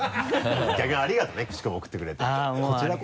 逆にありがとうねクチコミ送ってくれて。